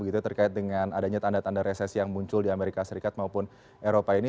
terkait dengan adanya tanda tanda resesi yang muncul di amerika serikat maupun eropa ini